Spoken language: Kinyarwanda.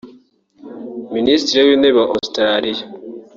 Minisitri w’Intebe wa Australia